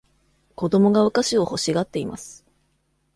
子供がお菓子を欲しがっています。